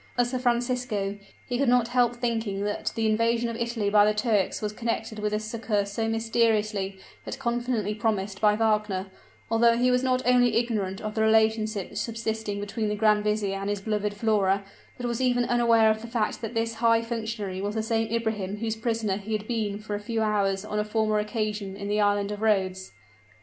As for Francisco, he could not help thinking that the invasion of Italy by the Turks was connected with the succor so mysteriously, but confidently promised by Wagner; although he was not only ignorant of the relationship subsisting between the grand vizier and his beloved Flora, but was even unaware of the fact that this high functionary was the same Ibrahim whose prisoner he had been for a few hours on a former occasion in the Island of Rhodes.